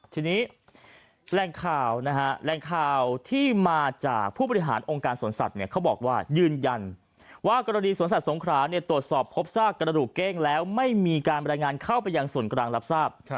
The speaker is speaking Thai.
ทีนี้แหล่งข่าวนะฮะแรงข่าวที่มาจากผู้บริหารองค์การสวนสัตว์เนี่ยเขาบอกว่ายืนยันว่ากรณีสวนสัตว์สงคราตรวจสอบพบซากกระดูกเก้งแล้วไม่มีการบรรยายงานเข้าไปยังส่วนกลางรับทราบ